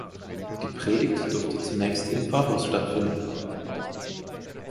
Die Predigt durfte zunächst im Pfarrhaus stattfinden.